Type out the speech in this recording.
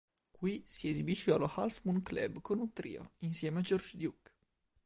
Qui si esibisce allo "Half Moon Club" con un trio insieme a George Duke.